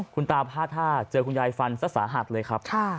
คุณตาพลาดท่าเจอคุณยายฟันซะสาหัสเลยครับ